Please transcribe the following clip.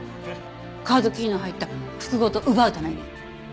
カードキーの入った服ごと奪うために。